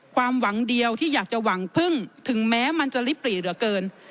ความหวังเดียวที่อยากจะหวังพึ่งถึงแม้มันจะลิปหรี่เหลือเกิน